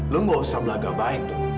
lo nggak usah melagang baik dok